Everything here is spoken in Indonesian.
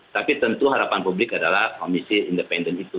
tapi tentu harapan publik adalah komisi independen itu